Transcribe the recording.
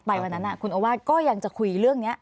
วันนั้นคุณโอวาสก็ยังจะคุยเรื่องนี้